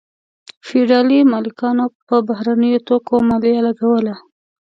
فیوډالي مالکانو په بهرنیو توکو مالیه لګوله.